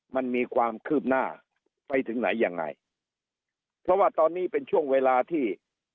มันมีความคืบหน้าไปถึงไหนยังไงเพราะว่าตอนนี้เป็นช่วงเวลาที่